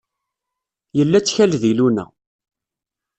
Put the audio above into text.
Yella ttkal di Luna.